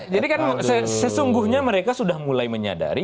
jadi kan sesungguhnya mereka sudah mulai menyadari